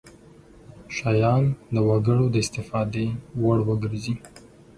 شیان د وګړو د استفادې وړ وګرځي.